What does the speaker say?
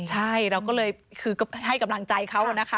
ใช่เราก็เลยคือก็ให้กำลังใจเขานะคะ